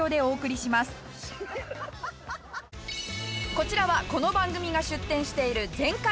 こちらはこの番組が出店している全開！！